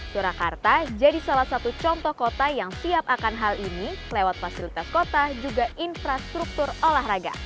surakarta jadi salah satu contoh kota yang siap akan hal ini lewat fasilitas kota juga infrastruktur olahraga